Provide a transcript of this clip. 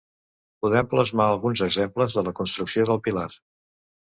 Podem plasmar alguns exemples de la construcció del pilar.